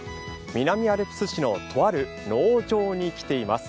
南アルプス市のとある農場に来ています。